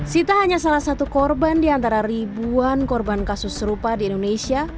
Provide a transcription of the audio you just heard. sita hanya salah satu korban di antara ribuan korban kasus serupa di indonesia